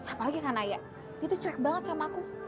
apalagi kanaya dia tuh cuek banget sama aku